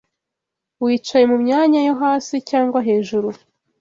wicaye mu myanya yo hasi cyangwa hejuru